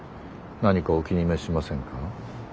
何かお気に召しませんか？